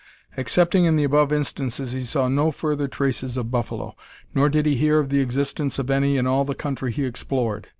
Excepting in the above instances he saw no further traces of buffalo, nor did he hear of the existence of any in all the country he explored.